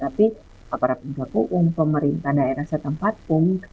tapi aparat penegak hukum pemerintah daerah setempat pun